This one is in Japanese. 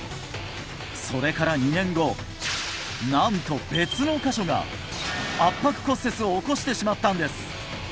それから２年後なんと別の箇所が圧迫骨折を起こしてしまったんです